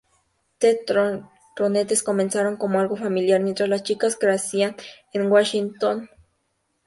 The Ronettes comenzaron como algo familiar mientras las chicas crecían en Washington Heights, Manhattan.